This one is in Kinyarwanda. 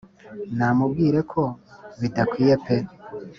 namubwire ko bidakwiye pe